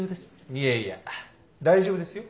いやいや大丈夫ですよ。